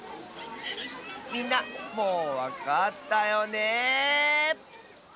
みんなもうわかったよね！